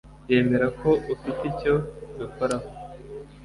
yemera ko ufite icyo ubikoraho.